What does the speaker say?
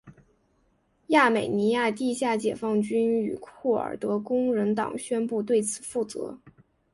亚美尼亚地下解放军与库尔德工人党宣布对此负责。